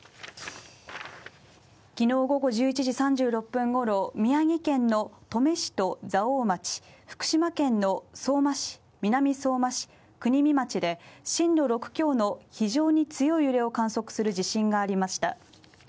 昨日午後１１時３６分頃、宮城県の登米市と蔵王町福島県の相馬市、南相馬市、国見町で震度６強の非常に強い揺れを観測する地震がありました。